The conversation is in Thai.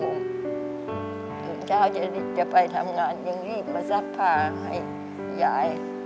ตื่นเช้าจะไปทำงานยังรีบมาซักผ้าให้ยาย